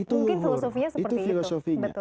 itu filosofinya seperti itu